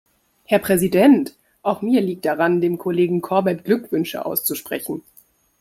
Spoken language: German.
Herr Präsident! Auch mir liegt daran, dem Kollegen Corbett Glückwünsche auszusprechen.